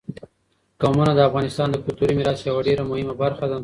قومونه د افغانستان د کلتوري میراث یوه ډېره مهمه برخه ده.